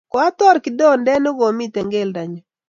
Koator kidonde ne komito keldonyu